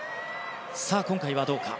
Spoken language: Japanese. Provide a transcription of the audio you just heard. さあ今回は、どうか。